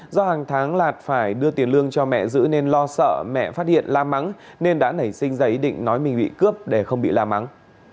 do hàng tháng lạt phải đưa tiền lương cho mẹ giữ nên lo sợ mẹ phát hiện la mắng nên đã nảy sinh ra ý định nói mình bị cướp để không bị la mắng